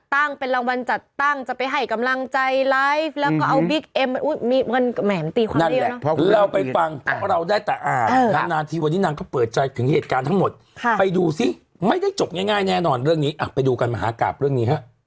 แต่ว่าผู้หนุ่มเนี่ยบอกแล้วว่าเป็นเสียง